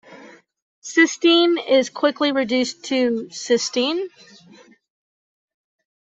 Cystine is quickly reduced to cysteine.